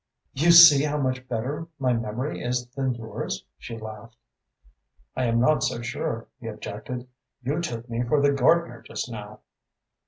"You see how much better my memory is than yours," she laughed. "I am not so sure," he objected. "You took me for the gardener just now."